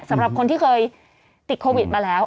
สำหรับคนที่เคยติดโควิดมาแล้ว